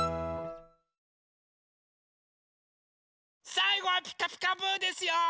さいごは「ピカピカブ！」ですよ！